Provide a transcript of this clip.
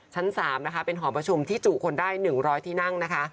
ชั้น๓นะคะเป็นหอประชุมที่จุคนได้๑๐๐ที่นั่งนะคะ